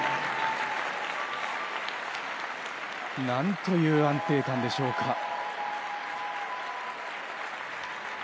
何という安定感でしょうか。